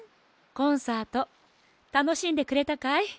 コンサートたのしんでくれたかい？